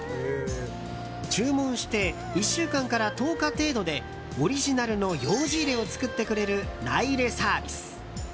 注文して１週間から１０日程度でオリジナルのようじ入れを作ってくれる名入れサービス。